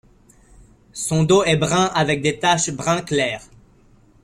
Son dos est brun avec des taches brun clair.